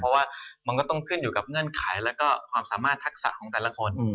เพราะว่ามันก็ต้องขึ้นอยู่กับเงื่อนไขแล้วก็ความสามารถทักษะของแต่ละคน